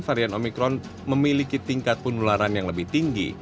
varian omikron memiliki tingkat penularan yang lebih tinggi